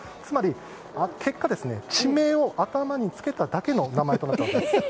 結果、地名を頭に付けただけの名前となったんです。